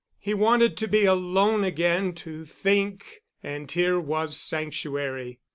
He wanted to be alone again to think—and here was sanctuary.